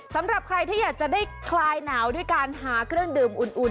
สำหรับใครที่อยากจะได้คลายหนาวด้วยการหาเครื่องดื่มอุ่น